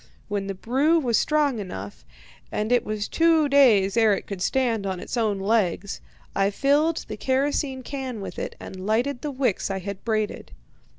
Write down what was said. When the brew was strong enough (and it was two days ere it could stand on its own legs), I filled the kerosene can with it, and lighted the wicks I had braided.